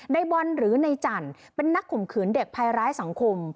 ในบอลหรือในจันทร์เป็นนักข่มขืนเด็กภัยร้ายสังคม